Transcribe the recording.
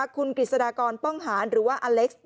คุณกฤษฎากรป้องหารหรือว่าอเล็กซ์